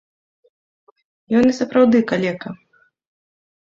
Ён і сапраўды калека.